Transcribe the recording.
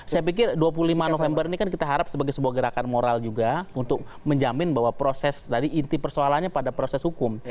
saya pikir dua puluh lima november ini kan kita harap sebagai sebuah gerakan moral juga untuk menjamin bahwa proses tadi inti persoalannya pada proses hukum